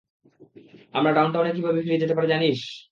আমরা ডাউনটাউনে কিভাবে ফিরে যেতে পারি জানিস?